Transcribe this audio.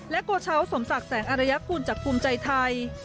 โกเช้าสมศักดิ์แสงอารยกุลจากภูมิใจไทย